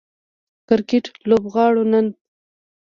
کرکټ لوبغاړو نن